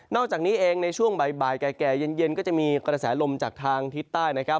อกจากนี้เองในช่วงบ่ายแก่เย็นก็จะมีกระแสลมจากทางทิศใต้นะครับ